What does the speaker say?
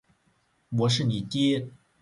我是你爹！